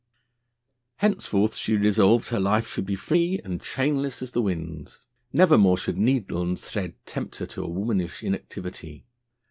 Henceforth she resolved her life should be free and chainless as the winds. Never more should needle and thread tempt her to a womanish inactivity.